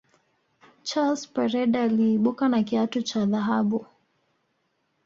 chus pereda aliibuka na kiatu cha dhahabu